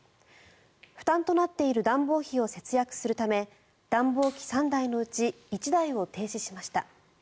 負担となっている暖房費を節約するため暖房機３台のうち１台を停止しました。